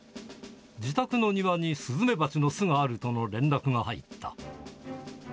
自宅の庭にスズメバチの巣があるとの連絡が入った。